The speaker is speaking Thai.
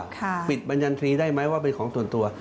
ปิดบรรยันทรีย์ได้ไหมว่าเป็นของส่วนตัว